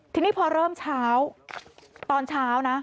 ทีนี้พอเริ่มเช้าตอนเช้านะ